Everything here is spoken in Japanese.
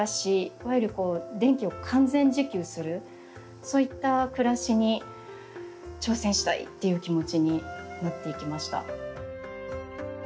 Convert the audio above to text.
いわゆる電気を完全自給するそういった暮らしに挑戦したいっていう気持ちになっていきました。